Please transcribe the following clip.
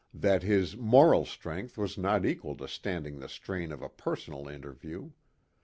That his moral strength was not equal to standing the strain of a personal interview.